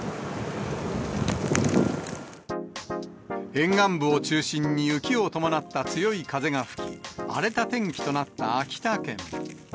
沿岸部を中心に、雪を伴った強い風が吹き、荒れた天気となった秋田県。